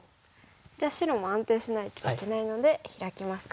じゃあ白も安定しないといけないのでヒラきますか。